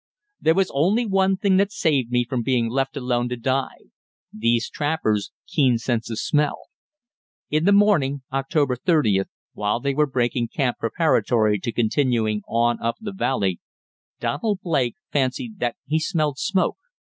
There was only one thing that saved me from being left alone to die these trappers' keen sense of smell. In the morning (October 30th) while they were breaking camp preparatory to continuing on up the valley, Donald Blake fancied that he smelled smoke.